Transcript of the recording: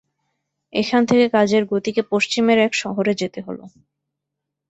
এখান থেকে কাজের গতিকে পশ্চিমের এক শহরে যেতে হল।